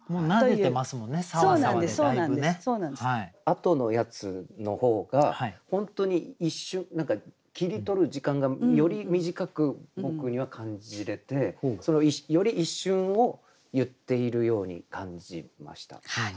あとのやつの方が本当に一瞬何か切り取る時間がより短く僕には感じれてより一瞬を言っているように感じました。